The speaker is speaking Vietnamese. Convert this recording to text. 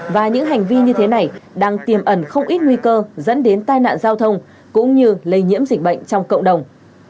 và những hành vi như thế này đang tiềm ẩn không ít nguy cơ dẫn đến tai nạn giao thông cũng như lây nhiễm dịch bệnh trong cộng đồng